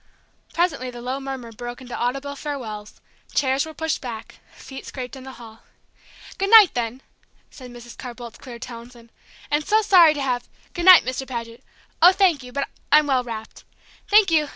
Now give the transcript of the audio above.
Presently the low murmur broke into audible farewells; chairs were pushed back, feet scraped in the hall. "Good night, then!" said Mrs. Carr Boldt's clear tones, "and so sorry to have Good night, Mr. Paget! Oh, thank you but I'm well wrapped. Thank you!